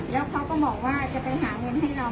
แล้วเขาก็บอกว่าจะไปหาเงินให้เรา